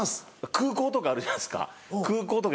空港とかあるじゃないですか